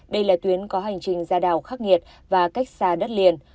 đây là tuyến có hành trình ra đảo khắc nghiệt và cách xa đất liền